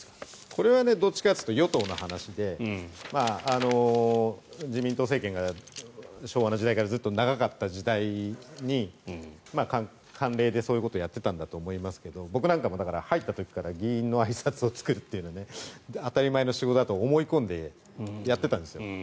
これはどっちかというと与党の話で自民党政権が昭和の時代からずっと長かった時代に慣例でそういうことをやっていたんだと思うんですが僕なんかも入った時から議員のあいさつを作るっていうのは当たり前の仕事だと思い込んでやってたんですよ。